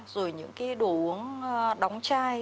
rồi những cái đồ uống đóng chai